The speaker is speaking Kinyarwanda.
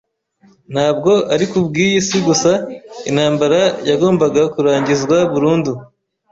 Ntabwo ari ku bw’iyi si gusa intambara yagombaga kurangizwa burundu;